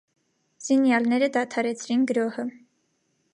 Զինյալները դադարեցրին գրոհը։